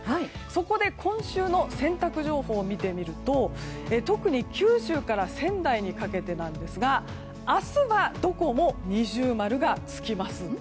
そこで今週の洗濯情報を見てみると特に九州から仙台にかけてなんですが明日はどこも二重丸が付きます。